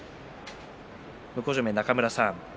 向正面の中村さん